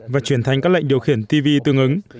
và chuyển thành các lệnh điều khiển tv tương ứng